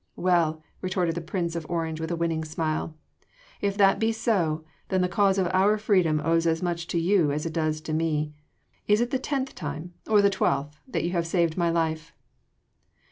"Well!" retorted the Prince of Orange with a winning smile, "if that be so, then the cause of our freedom owes as much to you as it does to me. Is it the tenth time or the twelfth that you have saved my life?"